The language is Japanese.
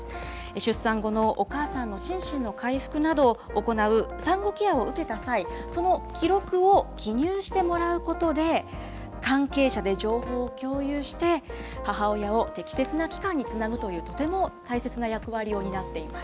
出産後のお母さんの心身の回復などを行う産後ケアを受けた際、その記録を記入してもらうことで、関係者で情報を共有して、母親を適切な機関につなぐというとても大切な役割を担っています。